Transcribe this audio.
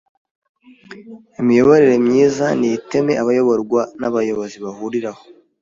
Imiyoborere myiza ni iteme abayoborwa n’abayobozi bahuriraho